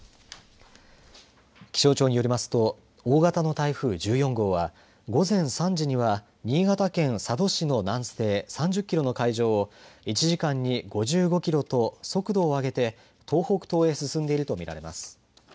気象庁によりますと大型の台風１４号は午前３時には新潟県佐渡市の南西３０キロの海上を１時間に５５キロと速度を上げて東北東へ進んでいるとみられます。